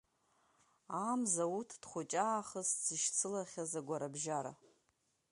Аа, Мзауҭ дхәыҷы аахыс дзышьцылахьаз агәара-бжьара!